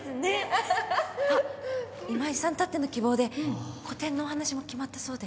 あっ今井さんたっての希望で個展のお話も決まったそうで。